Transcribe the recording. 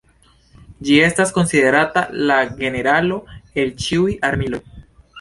Ĝi estas konsiderata "La Generalo el ĉiuj Armiloj".